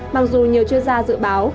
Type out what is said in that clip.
mặc dù nhiều chuyên gia dự báo